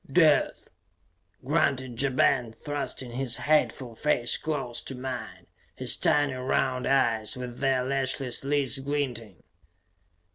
"Death!" grunted Ja Ben, thrusting his hateful face close to mine, his tiny round eyes, with their lashless lids glinting.